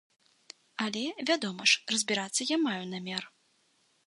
Але, вядома ж, разбірацца я маю намер.